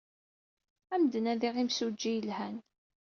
Ad am-d-nadiɣ imsujji yelhan.